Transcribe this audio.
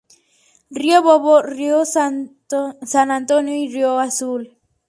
Río Bobo, río San Antonio y río Azul.